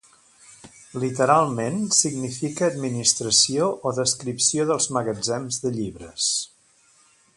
Literalment significa administració o descripció dels magatzems de llibres.